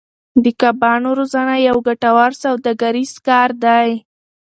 د کبانو روزنه یو ګټور سوداګریز کار دی.